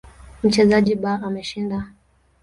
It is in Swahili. Mchezaji B ameshinda.